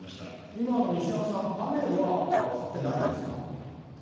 今、西山さん、雨は降ってないんですか。